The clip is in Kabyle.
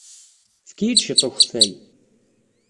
Efk-iyi-d cwiṭ n ukeffay.